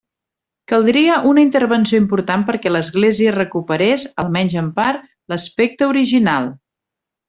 Caldria una intervenció important perquè l'església recuperés, almenys en part, l'aspecte original.